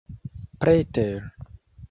preter